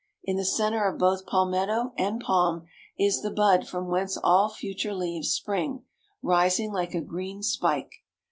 In the centre of both palmetto and palm is the bud from whence all future leaves spring, rising like a green spike.